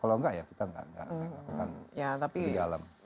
kalau enggak ya kita nggak lakukan di dalam